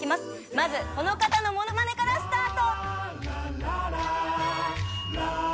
まずこの方のモノマネからスタート！